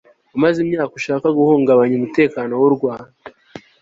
umaze imyaka ushaka guhungabanya umutekano w'u rwanda